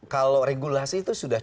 kalau regulasi itu sudah